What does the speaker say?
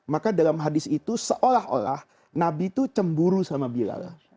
maka dalam hadis itu seolah olah nabi itu cemburu sama bilal